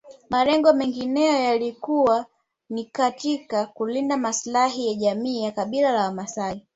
Malengo mengineyo yalikuwa ni katika kulinda maslahi ya jamii ya kabila la Wamaasai